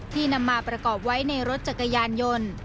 นำมาประกอบไว้ในรถจักรยานยนต์